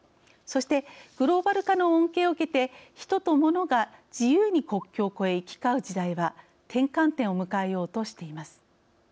そしてグローバル化の恩恵を受けてヒトとモノが自由に国境を越え行き交う時代は転換点を迎えようとしています。